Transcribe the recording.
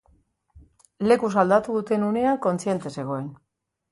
Lekuz aldatu duten unean kontziente zegoen.